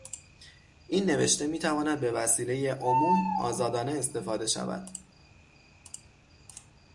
این نوشته میتواند به وسیلهٔ عموم آزادانه استفاده شود.